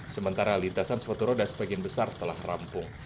sementara lintasan sepatu roda sebagian besar telah rampung